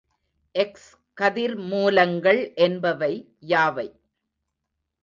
X கதிர்மூலங்கள் என்பவை யாவை?